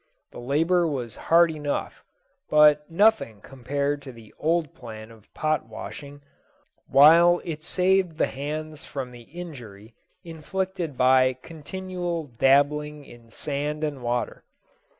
The labour was hard enough, but nothing compared to the old plan of pot washing, while it saved the hands from the injury inflicted by continual dabbling in sand and water.